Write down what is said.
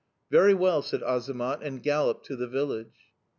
'.. "'Very well,' said Azamat, and galloped to the village.